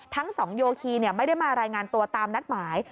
ทั้งสองโยคีไม่ได้มารายงานตัวตามนัดหมาย